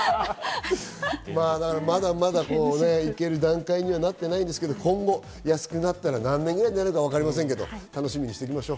まだまだ行ける段階にはなっていないんですが今後、安くなったら何年くらいなるかわからないですが楽しみにしておきましょう。